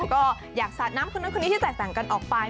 ก็อยากสาดน้ำคนนู้นคนนี้ที่แตกต่างกันออกไป